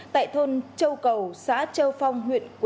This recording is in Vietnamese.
tại thôn châu cầu xã châu phong